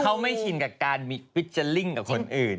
เขาไม่ชินกับการมีฟิเจอร์ลิ่งกับคนอื่น